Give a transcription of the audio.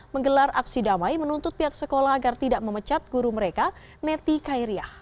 menggelar aksi damai menuntut pihak sekolah agar tidak memecat guru mereka neti kairiah